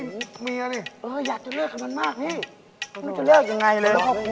เอ้ยไอ้มีละนี่อ่ออยากจะเลือกกับมันมากนี่พวกมันจะเลือกยังไงเลยก็เข้าควรว่ะ